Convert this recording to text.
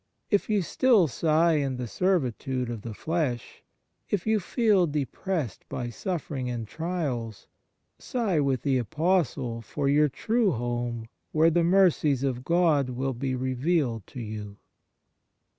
If you still sigh in the servitude of the flesh, if you feel depressed by suffering and trials, sigh with the Apostle for your true home where the mercies of God will be revealed to you.